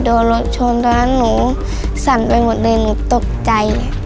โดนรถชนตอนนั้นหนูสั่นไปหมดเลยหนูตกใจ